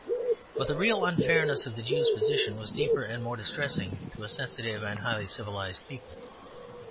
But the real unfairness of the Jews' position was deeper and more distressing to a sensitive and highly civilized people.